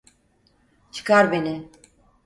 Çıkar beni!